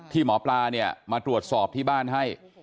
หมอปลาเนี่ยมาตรวจสอบที่บ้านให้